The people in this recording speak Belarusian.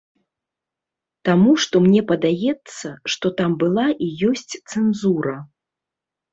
Таму што мне падаецца, што там была і ёсць цэнзура.